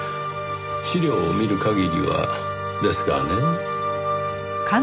資料を見る限りはですがね。